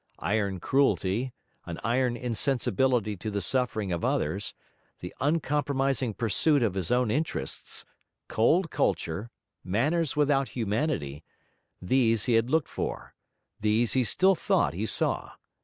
Iron cruelty, an iron insensibility to the suffering of others, the uncompromising pursuit of his own interests, cold culture, manners without humanity; these he had looked for, these he still thought he saw.